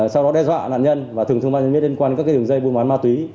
sau đó đe dọa nạn nhân và thường thương mạng nhân viên liên quan các dường dây buôn bán ma túy